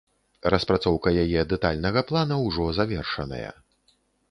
Распрацоўка яе дэтальнага плана ўжо завершаная.